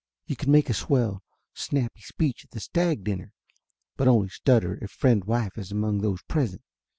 You can make a swell snappy speech at th stag dinner, but only stutter if friend wife is amongs those present.